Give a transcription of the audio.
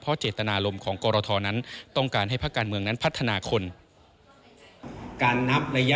เพราะเจตนารมณ์ของกรทนั้นต้องการให้พระการเมืองนั้นพัฒนาคน